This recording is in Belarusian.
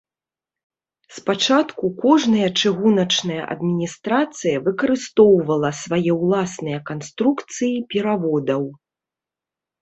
Спачатку кожная чыгуначная адміністрацыя выкарыстоўвала свае ўласныя канструкцыі пераводаў.